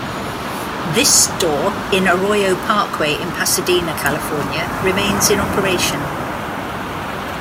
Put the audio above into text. This store, on Arroyo Parkway in Pasadena, California, remains in operation.